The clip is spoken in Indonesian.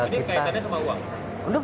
ini kaitannya sama uang